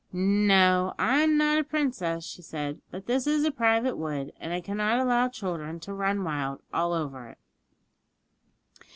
'No, I'm not a princess,' she said; 'but this is a private wood, and I cannot allow children to run wild all over it.'